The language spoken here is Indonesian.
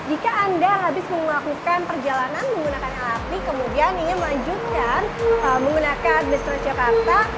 jika anda habis melakukan perjalanan menggunakan lrt kemudian ingin melanjutkan menggunakan bus transjakarta